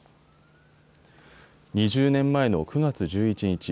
２０年前の９月１１日。